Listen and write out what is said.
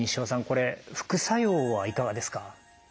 これ副作用はいかがですか？